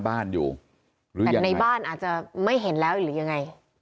บ้านอาจจะไม่เห็นแล้วหรือยังไง